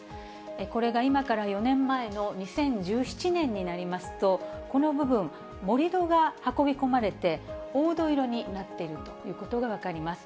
これが今から４年前の２０１７年になりますと、この部分、盛り土が運び込まれて、黄土色になっているということが分かります。